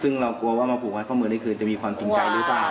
ซึ่งเรากลัวว่ามาปลูกพระมือเธอคือจะมีความทรงจำหรือเปล่า